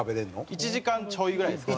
１時間ちょいぐらいですかね。